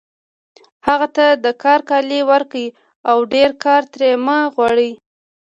هغه ته د کار کالي ورکړئ او ډېر کار ترې مه غواړئ